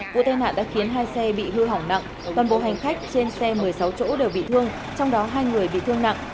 vụ tai nạn đã khiến hai xe bị hư hỏng nặng toàn bộ hành khách trên xe một mươi sáu chỗ đều bị thương trong đó hai người bị thương nặng